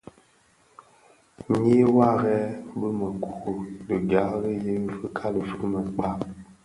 Nyi waren bi měkure dhi gari yi fikali fi měkpa.